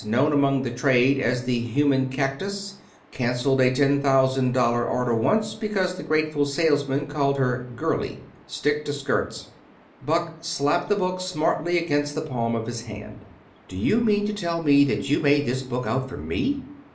Known among the trade as the human cactus. Canceled a ten thousand dollar order once because the grateful salesman called her 'girlie.' Stick to skirts." Buck slapped the book smartly against the palm of his hand. "Do you mean to tell me that you made this book out for me?